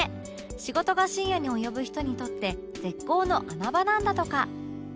仕事が深夜に及ぶ人にとって絶好の穴場なんだとか